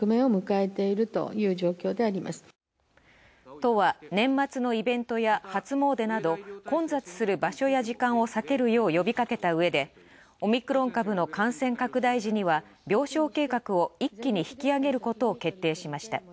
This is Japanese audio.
都は、年末のイベントや初詣など混雑する場所や時間を避けるよう呼びかけたうえでオミクロン株の感染拡大時には病床計画を一気に引き上げることを決定しました。